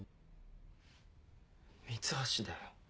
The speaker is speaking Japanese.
三橋だよ